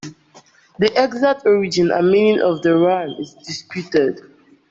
The exact origin and meaning of the rhyme is disputed.